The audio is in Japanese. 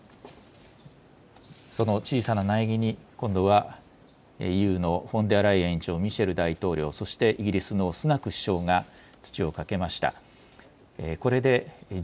その小さな苗木に今度はＥＵのフォンデアライエン委員長、そしてミシェル大統領、そしてイギリスのスナク首相が土をかけました。